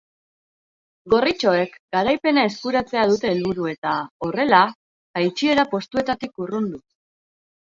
Gorritxoek garaipena eskuratzea dute helburu eta, horrela, jaitsiera postuetatik urrundu.